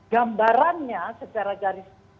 gambarannya secara garis